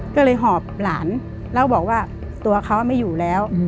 ก็เลยหอบหลานแล้วบอกว่าตัวเขาไม่อยู่แล้ว